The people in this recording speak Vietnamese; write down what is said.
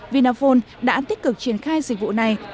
vinaphone đã tích cực triển khai dịch vụ này